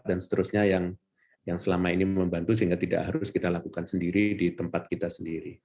seterusnya yang selama ini membantu sehingga tidak harus kita lakukan sendiri di tempat kita sendiri